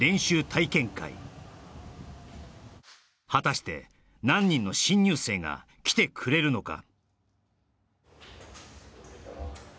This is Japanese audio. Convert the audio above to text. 体験会果たして何人の新入生が来てくれるのか？